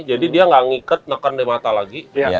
jadi dia nggak ngikat nekan di mata lagi